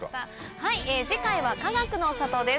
はい次回は「かがくの里」です。